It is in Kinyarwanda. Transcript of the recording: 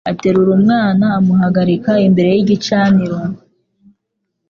Aterura umwana amuhagarika imbere y'igicaniro.